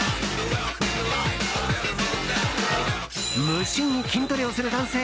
無心に筋トレをする男性。